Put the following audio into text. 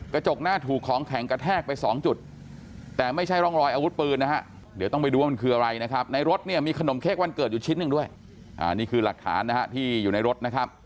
กระจกหน้าถูกของแข็งกระแทกไปสองจุด